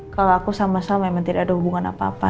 kalau aku sama sama memang tidak ada hubungan apa apa